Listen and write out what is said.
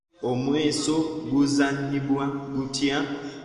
Omweso guzannyibwa gutya?